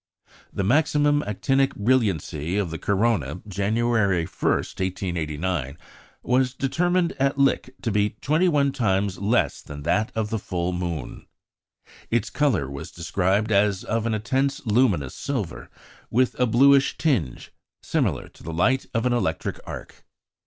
The maximum actinic brilliancy of the corona of January 1, 1889, was determined at Lick to be twenty one times less than that of the full moon. Its colour was described as "of an intense luminous silver, with a bluish tinge, similar to the light of an electric arc."